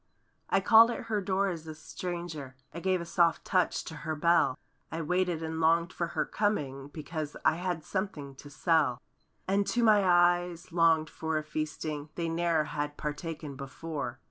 I called at her door as a stranger; I gave a soft touch to her bell; I waited and longed for her coming Because—I had something to sell. And, too, my eyes longed for a feasting They ne'er had partaken before.